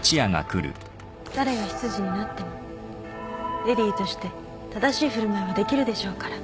誰が執事になっても淑女として正しい振る舞いはできるでしょうから。